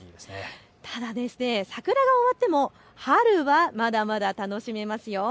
ただ桜が終わっても春はまだまだ楽しめますよ。